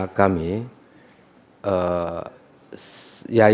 yang pertama di ruangan ini pernah datang kepada kami